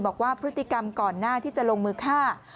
บอกว่าพฤติกรรมก่อนหน้าที่จะลงมือฆ่า